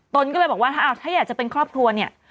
ตนก็เลยบอกว่าถ้าอยากจะเป็นครอบครัวเนี่ย